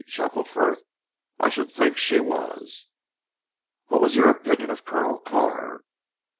chuckled Frith. "I should think she was." "What was your opinion of Colonel Carr?"